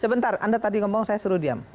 sebentar anda tadi ngomong saya suruh diam